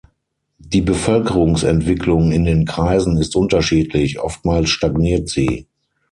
Die Bevölkerungsentwicklung in den Kreisen ist unterschiedlich, oftmals stagniert sie.